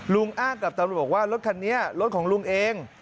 อ้างกับตำรวจบอกว่ารถคันนี้รถของลุงเอง